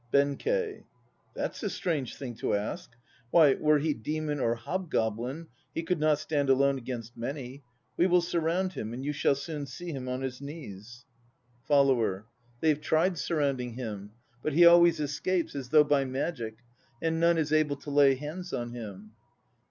BENKEI. That's a strange thing to ask! Why, were he demon or hobgoblin, he could not stand alone against many. We will surround him and you shall soon see him on his knees. A.M. 81 82 THE NO PLAYS OF JAPAN FOLLOWER. They have tried surrounding him, but he always escapes as though by magic, and none is able to lay hands on him.